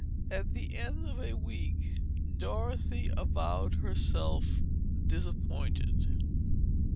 At the end of a week Dorothy avowed herself disappointed.